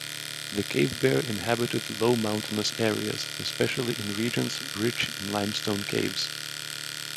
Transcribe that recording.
The cave bear inhabited low mountainous areas, especially in regions rich in limestone caves.